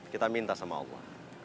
kita minta sama allah